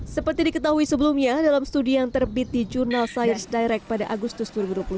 seperti diketahui sebelumnya dalam studi yang terbit di jurnal science direct pada agustus dua ribu dua puluh satu